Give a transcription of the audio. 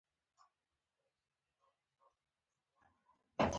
د مالدار سړي زوی شوخ وي بیا خلک وایي چې دا ذهین دی.